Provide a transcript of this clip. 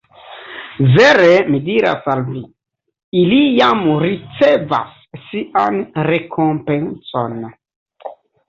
Vere mi diras al vi: Ili jam ricevas sian rekompencon.